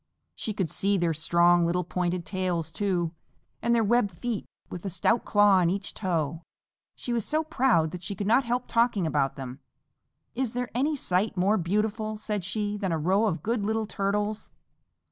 She could see their strong little pointed tails too, and their webbed feet with a stout claw on each toe. She was so proud that she could not help talking about them. "Is there any sight more beautiful," she said, "than a row of good little Turtles?"